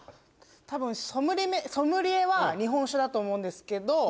多分ソムリエは日本酒だと思うんですけど